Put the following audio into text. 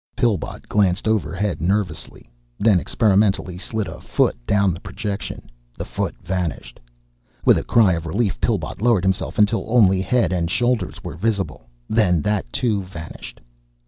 Pillbot glanced overhead nervously, then experimentally slid a font down the projection. The foot vanished. With a cry of relief, Pillbot lowered himself until only head and shoulders were visible. Then that too vanished.